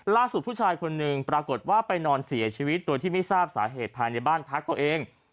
ผู้ชายคนหนึ่งปรากฏว่าไปนอนเสียชีวิตโดยที่ไม่ทราบสาเหตุภายในบ้านพักตัวเอง